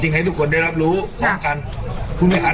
ตอนนี้มีลิ้งค์ให้กุดกด